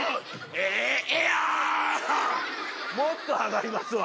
もっと上がりますわ。